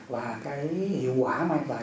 và cái hiệu quả mang lại